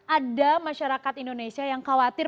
ada masyarakat indonesia yang khawatir